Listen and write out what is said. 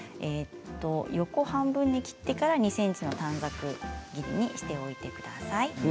横半分に切ってから２ｃｍの短冊切りにしておいてください。